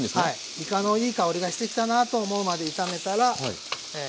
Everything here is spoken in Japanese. いかのいい香りがしてきたなと思うまで炒めたらえ